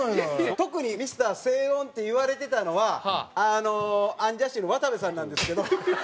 特にミスター正論って言われてたのはあのアンジャッシュの渡部さんなんですけど。